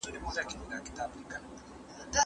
احمد او غوټۍ په يو ټولګي کی دی